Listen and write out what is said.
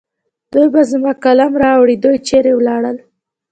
دوی به زما قلم راوړي. دوی چېرې ولاړل؟